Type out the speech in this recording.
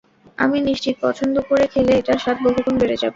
আমি নিশ্চিত, পছন্দ করে খেলে, এটার স্বাদ বহুগুণ বেড়ে যাবে।